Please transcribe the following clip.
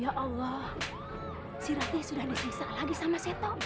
ya allah si ratih sudah disiksa lagi sama seto